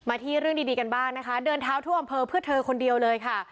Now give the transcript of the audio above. ที่เรื่องดีกันบ้างนะคะเดินเท้าทั่วอำเภอเพื่อเธอคนเดียวเลยค่ะ